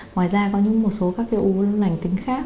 ngoài ra có một số các cái u vú lành tính khác